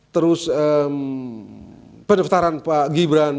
terus pendaftaran pak gibran